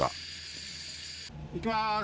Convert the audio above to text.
いきます。